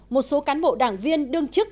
một số cán bộ đảng viên đương chức